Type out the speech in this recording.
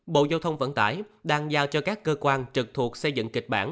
bộ giao thông vận tải đang giao cho các cơ quan trực thuộc xây dựng kịch bản